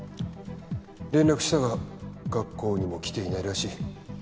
連絡したが学校にも来ていないらしい。